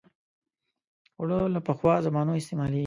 اوړه له پخوا زمانو استعمالېږي